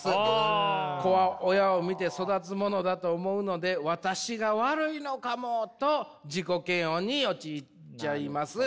子は親を見て育つものだと思うので私が悪いのかもと自己嫌悪に陥っちゃいます。